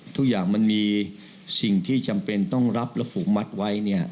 ทุกอย่างมันมีสิ่งที่จำเป็นต้องรับและผูกมัดไว้